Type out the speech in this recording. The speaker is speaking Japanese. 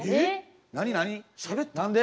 何何？